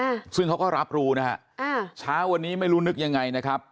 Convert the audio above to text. อืมซึ่งเขาก็รับรู้นะฮะอ่าเช้าวันนี้ไม่รู้นึกยังไงนะครับ